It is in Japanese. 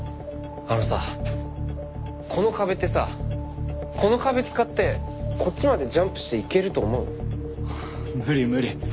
あのさこの壁ってさこの壁使ってこっちまでジャンプして行けると思う？はあ無理無理。